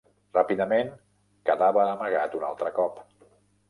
Ràpidament, quedava amagat un altre cop.